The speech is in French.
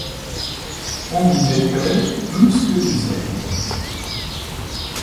On y mettait plus que du zèle.